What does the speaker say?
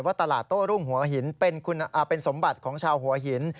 ตลาดโต้รุ่งหัวหินเป็นสมบัติของชาวหัวหิน